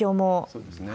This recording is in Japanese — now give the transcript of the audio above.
そうですね。